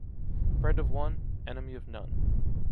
Friend of one, enemy of none.